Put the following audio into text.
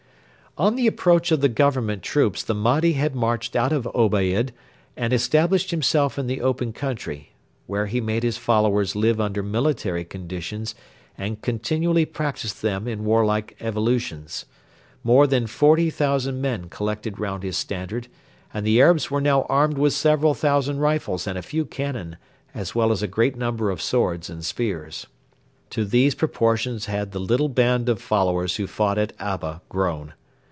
On the approach of the Government troops the Mahdi had marched out of El Obeid and established himself in the open country, where he made his followers live under military conditions and continually practised them in warlike evolutions. More than forty thousand men collected round his standard, and the Arabs were now armed with several thousand rifles and a few cannon, as well as a great number of swords and spears. To these proportions had the little band of followers who fought at Abba grown!